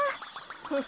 フッ。